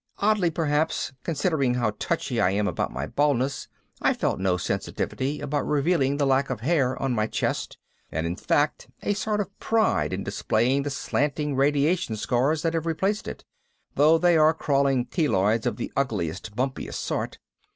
Oddly perhaps, considering how touchy I am about my baldness, I felt no sensitivity about revealing the lack of hair on my chest and in fact a sort of pride in displaying the slanting radiation scars that have replaced it, though they are crawling keloids of the ugliest, bumpiest sort.